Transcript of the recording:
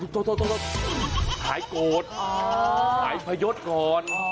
โทษหายโกรธขายพยศก่อน